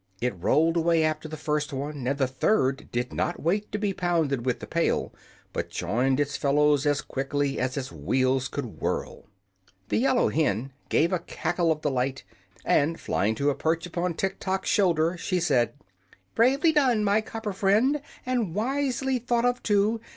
It rolled away after the first one, and the third did not wait to be pounded with the pail, but joined its fellows as quickly as its wheels would whirl. The yellow hen gave a cackle of delight, and flying to a perch upon Tiktok's shoulder, she said: "Bravely done, my copper friend! and wisely thought of, too.